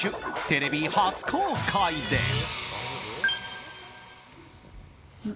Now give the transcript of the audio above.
テレビ初公開です。